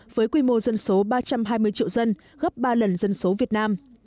với quy mô dân số ba trăm hai mươi triệu dân gấp ba lần dân số việt nam